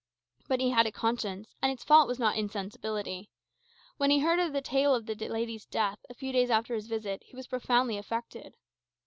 But he had a conscience, and its fault was not insensibility. When he heard the tale of the lady's death, a few days after his visit, he was profoundly affected.